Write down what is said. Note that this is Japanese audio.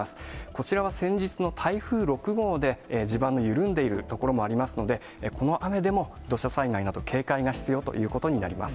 こちらは先日の台風６号で、地盤の緩んでいる所もありますので、この雨でも土砂災害など、警戒が必要ということになります。